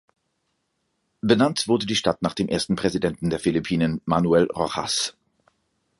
Benannt wurde die Stadt nach dem ersten Präsidenten der Philippinen, Manuel Roxas.